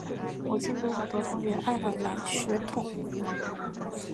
母亲则有德国与爱尔兰血统